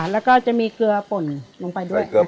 แล้วก็จะมีเกลือป่นลงไปด้วยนะคะลูก